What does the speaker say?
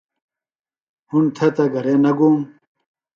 ہِنڈ تھے تہ گھرے نہ گُوم